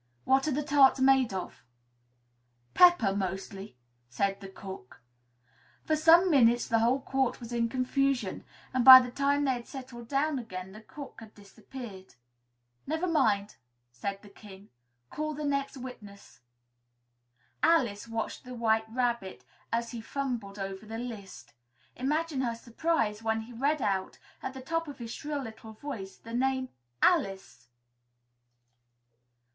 "What are tarts made of?" "Pepper, mostly," said the cook. For some minutes the whole court was in confusion and by the time they had settled down again, the cook had disappeared. "Never mind!" said the King, "call the next witness." Alice watched the White Rabbit as he fumbled over the list. Imagine her surprise when he read out, at the top of his shrill little voice, the name "Alice!"